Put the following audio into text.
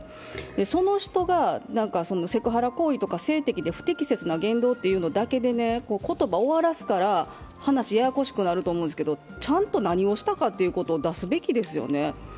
その人がセクハラ行為とか性的で不適切な言動というだけで言葉終わらすから話、ややこしくなると思うんですけど、ちゃんと何をしたかということを出すべきですよね。